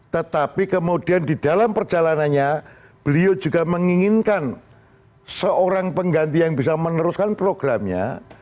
tetapi kemudian di dalam perjalanannya beliau juga menginginkan seorang pengganti yang bisa meneruskan programnya